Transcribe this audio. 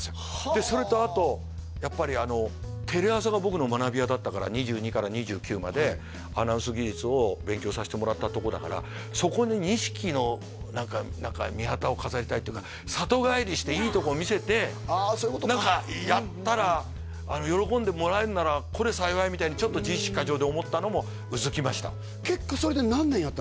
でそれとあとやっぱりテレ朝が僕の学び舎だったから２２から２９までアナウンス技術を勉強させてもらった所だからそこに錦の御旗を飾りたいというか何かやったら喜んでもらえるならこれ幸いみたいにちょっと自意識過剰で思ったのもうずきました結果それで何年やったんですか？